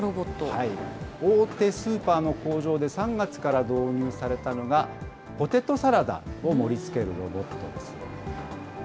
大手スーパーの工場で３月から導入されたのが、ポテトサラダを盛りつけるロボットです。